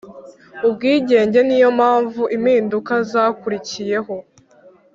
ubwigenge Ni yo mpamvu impinduka zakurikiyeho